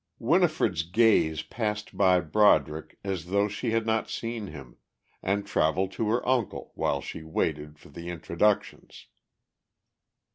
Winifred's gaze passed by Broderick as though she had not seen him and travelled to her uncle while she waited for the introductions.